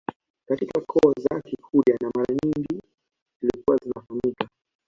Katika koo za kikurya na mara nyingi zilikuwa zinafanyika